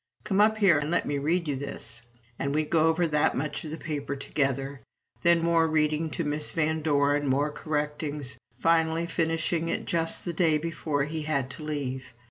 "Come up here and let me read you this!" And we'd go over that much of the paper together. Then more reading to Miss Van Doren, more correctings, finally finishing it just the day before he had to leave.